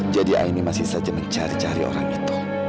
jadi aini masih saja mencari cari orang itu